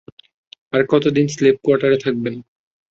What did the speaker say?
আর কতদিন আপনি স্লেভ কোয়ার্টারে থাকবেন?